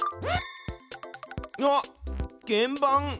あっけんばん！